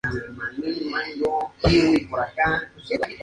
Su cabecera es Hidalgo del Parral.